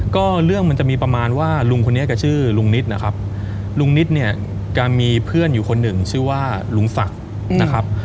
ก็เรื่องมันจะมีประมาณว่าลุงคนนี้แกชื่อลุงนิดนะครับลุงนิดเนี่ยก็มีเพื่อนอยู่คนหนึ่งชื่อว่าลุงศักดิ์นะครับ